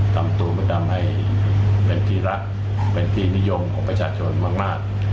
ทำตัวมาทำให้เป็นที่รักเป็นที่นิยมของประชาชนมาก